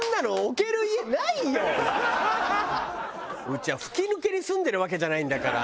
うちは吹き抜けに住んでるわけじゃないんだから。